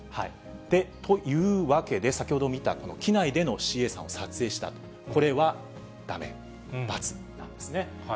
というわけで、先ほど見た、この機内でのＣＡさんを撮影した、これはだめ、×なんですね。